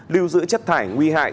lưu giữ chất thải nguy hại